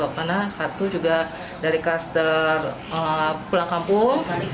karena satu juga dari klaster pulang kampung